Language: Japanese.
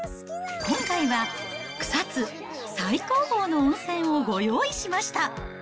今回は、草津最高峰の温泉をご用意しました。